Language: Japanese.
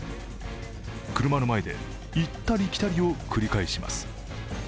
車の前で行ったり来たりを繰り返します。